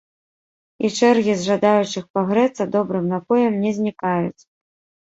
І чэргі з жадаючых пагрэцца добрым напоем не знікаюць.